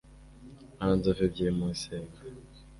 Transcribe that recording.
nta nzovu ebyiri mu isenga